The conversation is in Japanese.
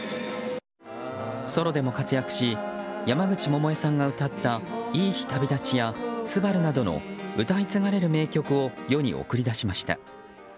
ソロでも活躍し山口百恵さんが歌った「いい日旅立ち」や「昴」などの歌い継がれる名曲を世に送り出しました。